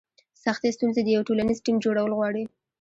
سختې ستونزې د یو ټولنیز ټیم جوړول غواړي.